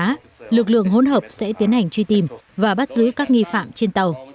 trong đó lực lượng hỗn hợp sẽ tiến hành truy tìm và bắt giữ các nghi phạm trên tàu